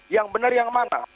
yang benar yang mana